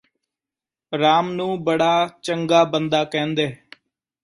ਰਾਮ ਨੂੰ ਬੜਾਂ ਚੰਗ੍ਹਾਂ ਬੰਦਾ ਕਹਿੰਦੇ